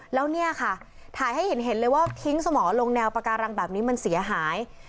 แล้วเนี่ยค่ะถ่ายให้เห็นเลยว่าทิ้งสมอลงแนวปาการังแบบนี้มันเสียหาย